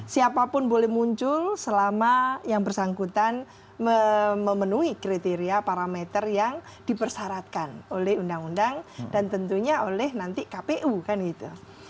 siapapun boleh muncul selama yang bersangkutan memenuhi kriteria parameter yang dipersyaratkan oleh undang undang dan tentunya oleh nanti kpu kan gitu